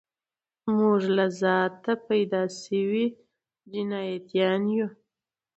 موږ له ذاته پیدا سوي جنتیان یو